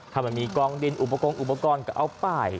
ถ้ามันมีกองดินอุปกรณ์ก็เอาไป